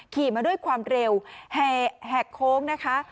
ขี่มาด้วยความเร็วแหกโค้งนะคะ